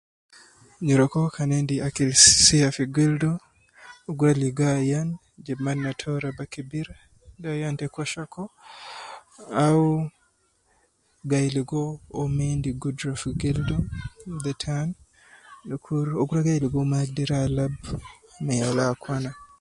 Nyereku kan endi akil sia fi gildu, uwo gi rua ligo ayan je batna to raba kebir ,de ayan te kwashiorkor au gai ligo uwo ma endi gudra fi gildu de tan dukuru uwo gi rua gai ligo uwo ma gi alab me yala akwana